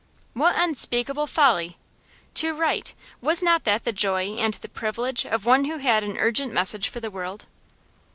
What unspeakable folly! To write was not that the joy and the privilege of one who had an urgent message for the world?